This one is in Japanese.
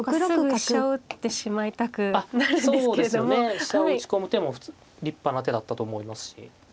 飛車を打ち込む手も立派な手だったと思いますし。